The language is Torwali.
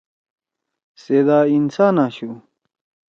سے دا انسان آشُو۔